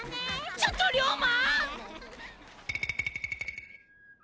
ちょっと龍馬！